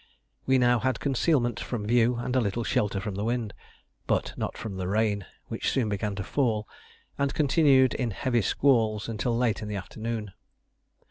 We now had concealment from view and a little shelter from the wind, but not from the rain, which soon began to fall and continued in heavy squalls until late in the afternoon.